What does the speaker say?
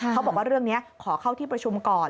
เขาบอกว่าเรื่องนี้ขอเข้าที่ประชุมก่อน